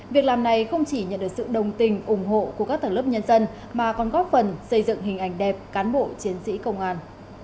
việc làm này không chỉ nhận được sự đồng tình ủng hộ của các tầng lớp nhân dân mà còn góp phần xây dựng hình ảnh đẹp cán bộ chiến sĩ công an